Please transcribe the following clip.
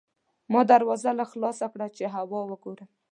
ما دروازه لږه خلاصه کړه چې هوا وګورم.